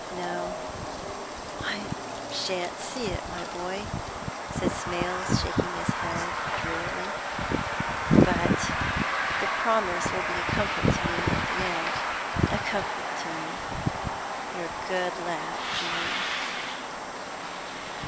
"No, I sha'n't see it, my boy," said Smales, shaking his head drearily; "but the promise will be a comfort to me at the end, a comfort to me. You're a good lad, Julian!"